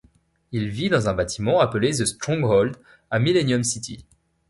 Il vit dans un bâtiment appelé The Stronghold à Millennium City.